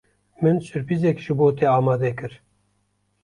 Min surprîzek ji bo te amade kir.